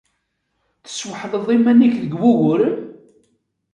Tesweḥleḍ iman-nnek deg wuguren?